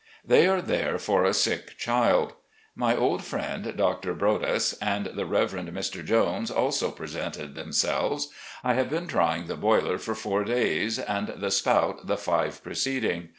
They are there for a sick child. My old ftiend. Dr. Broaddus, and the Rev erend Mr. Jones also presented themselves. ... I have been tr3dng the Boiler for four days — ^and the Spout the five preceding.